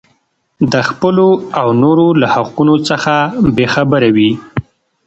د خپلو او نورو له حقونو څخه بې خبره وي.